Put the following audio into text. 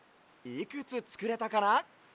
いくつつくれたかな？